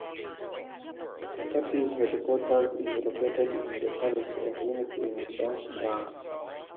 The party's headquarters is located in the Palace of Unity in Dushanbe.